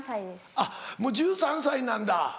あっもう１３歳なんだ。